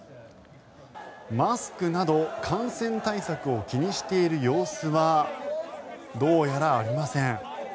マスクなど感染対策を気にしている様子はどうやらありません。